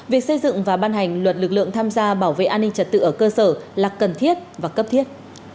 việc xây dựng và ban hành luật lực lượng tham gia bảo vệ an ninh trật tự ở cơ sở là cần thiết và cấp thiết